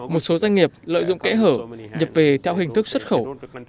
một số doanh nghiệp lợi dụng kẽ hở nhập về theo hình thức xuất khẩu